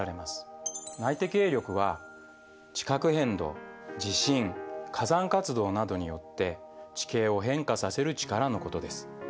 内的営力は地殻変動・地震・火山活動などによって地形を変化させる力のことです。